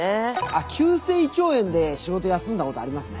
あっ急性胃腸炎で仕事休んだことありますね。